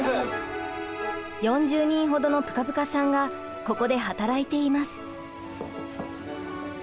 ４０人ほどのぷかぷかさんがここで働いています。